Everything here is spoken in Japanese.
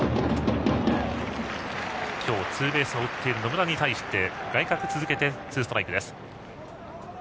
今日ツーベースを打っている野村に対しては外角を続けてツーストライク。